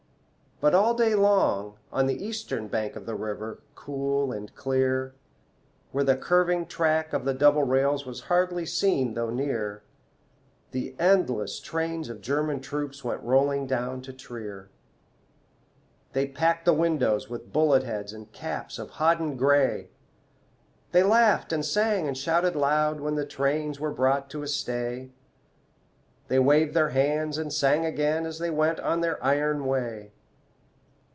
But all day long on the eastern bank Of the river cool and clear, Where the curving track of the double rails Was hardly seen though near, The endless trains of German troops Went rolling down to Trier. They packed the windows with bullet heads And caps of hodden gray; They laughed and sang and shouted loud When the trains were brought to a stay; They waved their hands and sang again As they went on their iron way.